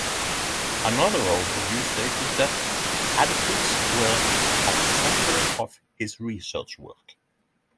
Another overview stated that "attitudes were at the centre of his research work".